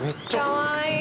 かわいい。